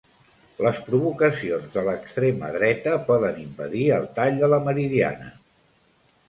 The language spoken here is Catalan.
Les provocacions de l'extrema dreta poden impedir el tall de la Meridiana.